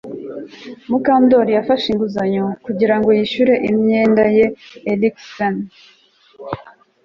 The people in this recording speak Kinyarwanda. Mukandoli yafashe inguzanyo kugira ngo yishyure imyenda ye erikspen